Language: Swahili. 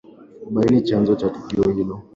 kubaini chanzo cha tukio hilo